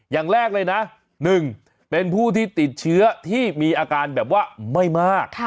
อย่างแรกเลยนะ๑เป็นผู้ที่ติดเชื้อที่มีอาการแบบว่าไม่มาก